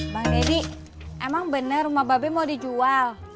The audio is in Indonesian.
bang deddy emang bener rumah babe mau dijual